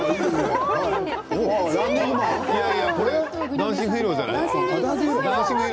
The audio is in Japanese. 「ダンシング・ヒーロー」じゃない？